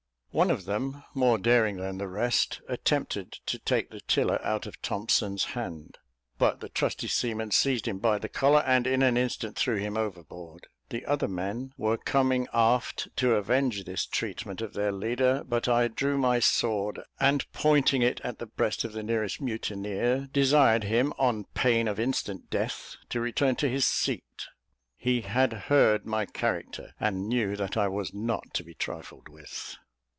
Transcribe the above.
One of them, more daring than the rest, attempted to take the tiller out of Thompson's hand; but the trusty seaman seized him by the collar, and in an instant threw him overboard. The other men were coming aft to avenge this treatment of their leader; but I drew my sword, and pointing it at the breast of the nearest mutineer, desired him, on pain of instant death, to return to his seat. He had heard my character, and knew that I was not to be trifled with.